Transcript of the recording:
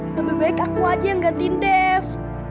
lebih baik aku aja yang gantiin dev